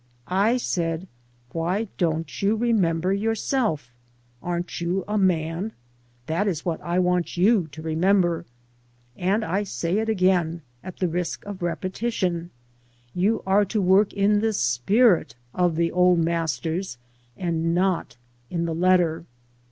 I said, '*Why don't you remember yourself? Aren't you a man?" That is what I w2Lntyou to remember, and I say it again, at the risk of repetition, you are to work in the spirit of the old Masters, and not in the letter.